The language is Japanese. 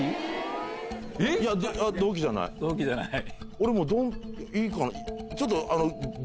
俺もいいかな。